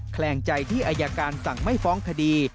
แคลงใจที่อายการสั่งไม่ฟ้องคดี